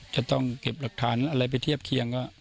จะต้องเก็บหลักฐานอะไรไปเทียบเคียง